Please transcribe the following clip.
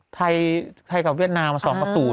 ไทยกับเวียดนามมาส่องกับศูนย์อ่ะ